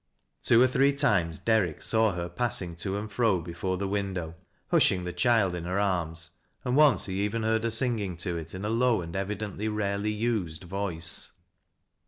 Two or three times Derrick saw her passing to and frc before the Jidndow, hushing the child in her arms, and once he even heard he; singing to it in a low, and evident 134 THAT LA88 0' LOWBIEPB. ly rarely used voice.